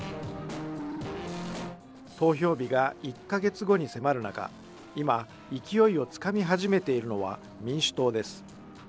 投票日が１か月後に迫る中、今、勢いをつかみ始めているのは民主党です。